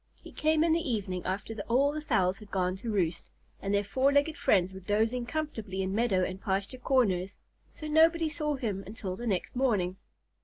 He came in the evening after all the fowls had gone to roost, and their four legged friends were dozing comfortably in meadow and pasture corners, so nobody saw him until the next morning.